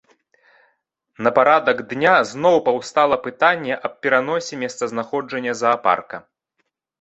На парадак дня зноў паўстала пытанне аб пераносе месцазнаходжання заапарка.